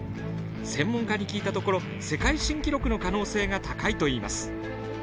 専門家に聞いたところ世界新記録の可能性が高いと言います。